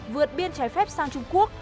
vượt biên trái phép sang trung quốc